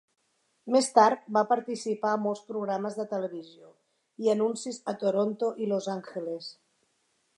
Més tard, va participar a molts programes de televisió i anuncis a Toronto i Los Angeles.